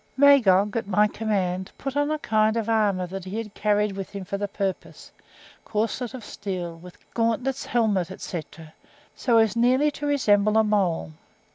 Magog, at my command, put on a kind of armour that he had carried with him for the purpose, corselet of steel, with gauntlets, helmet, &c., so as nearly to resemble a mole.